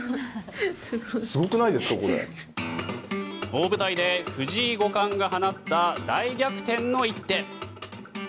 大舞台で藤井五冠が放った大逆転の一手。